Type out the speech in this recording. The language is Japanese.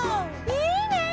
いいね！